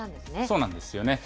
そうなんですよね。